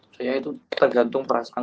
saya itu tergantung perasaan